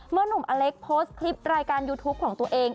หนุ่มอเล็กโพสต์คลิปรายการยูทูปของตัวเอง